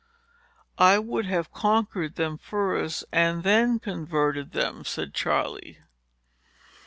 "I would have conquered them first, and then converted them," said Charley.